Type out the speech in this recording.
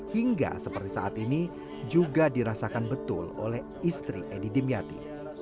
hingga seperti saat ini juga dirasakan betul oleh istri edi dimyati